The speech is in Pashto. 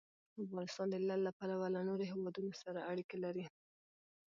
افغانستان د لعل له پلوه له نورو هېوادونو سره اړیکې لري.